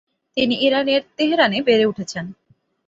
তিনি ইরানের তেহরানে বেড়ে উঠেছেন।